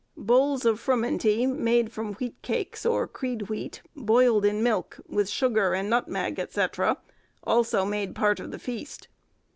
Bowls of frumenty, made from wheat cakes or creed wheat, boiled in milk, with sugar and nutmeg, &c., also made part of the feast.